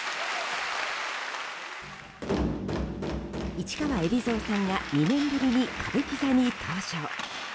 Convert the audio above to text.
市川海老蔵さんが２年ぶりに歌舞伎座に登場。